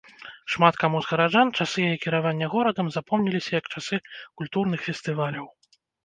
Шмат каму з гараджан часы яе кіравання горадам запомніліся як часы культурных фестываляў.